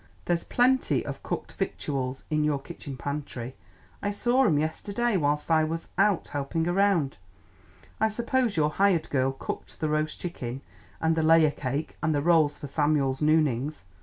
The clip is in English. There's plenty of cooked victuals in your kitchen pantry; I saw 'em yesterday whilst I was out helping around. I suppose your hired girl cooked that roast chicken and the layer cake and the rolls for Samuel's noonings.